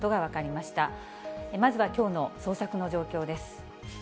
まずはきょうの捜索の状況です。